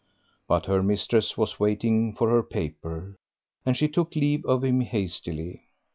But her mistress was waiting for her paper, and she took leave of him hastily.